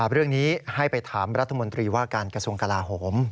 เรื่องนี้ให้ไปถามรัฐมนตรีว่าการกระทรวงกลาโหม